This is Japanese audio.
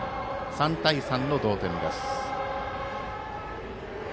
３対３の同点です。